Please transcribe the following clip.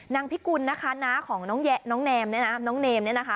พิกุลนะคะน้าของน้องแนมเนี่ยนะน้องเนมเนี่ยนะคะ